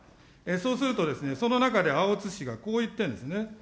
そうするとですね、その中であおつ氏がこう言っているんですね。